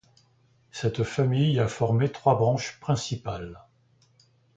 Cette famille a formé trois branches principales.